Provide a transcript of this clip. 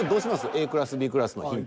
ＡクラスＢクラスのヒント。